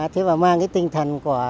thế mà mang cái tinh thần của